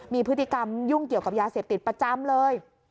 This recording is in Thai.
มีพฤติกรรมยุ่งเกี่ยวกับยาเสพติดประจำเลย